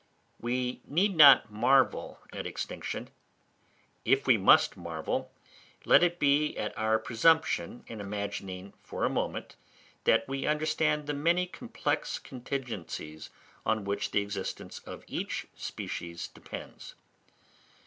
We need not marvel at extinction; if we must marvel, let it be at our presumption in imagining for a moment that we understand the many complex contingencies on which the existence of each species depends.